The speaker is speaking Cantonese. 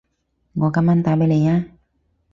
我今晚打畀你吖